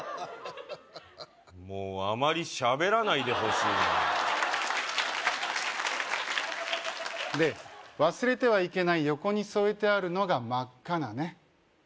もうあまり喋らないでほしいなで忘れてはいけない横に添えてあるのが真っ赤なね